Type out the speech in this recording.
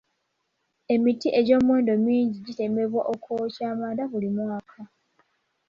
Emiti egy'omuwendo mingi gitemebwa okwokya amanda buli mwaka.